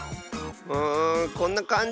うんこんなかんじ。